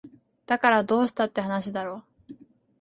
だからどうしたって話だろ